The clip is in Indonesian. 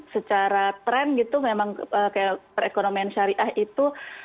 secara tren gitu memang kayak perekonomian syariah itu